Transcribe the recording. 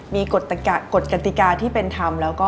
มีกฎกติกาที่เป็นธรรม